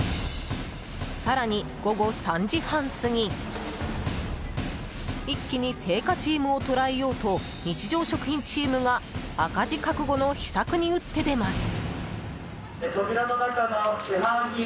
更に、午後３時半過ぎ一気に青果チームを捉えようと日常食品チームが赤字覚悟の秘策に打って出ます。